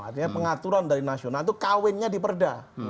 artinya pengaturan dari nasional itu kawinnya di perda